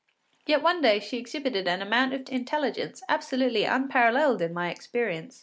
Yet she one day exhibited an amount of intelligence absolutely unparalleled in my experience.